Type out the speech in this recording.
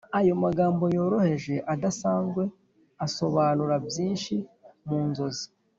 ayo magambo yoroheje, adasanzwe asobanura byinshi mu nzozi,